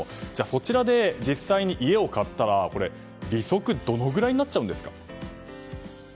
そちらで実際に家を買ったら利息どのぐらいになりますか？